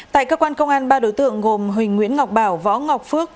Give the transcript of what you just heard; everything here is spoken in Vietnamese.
tại cơ quan công an ba đối tượng gồm huỳnh nguyễn ngọc bảo võ ngọc phước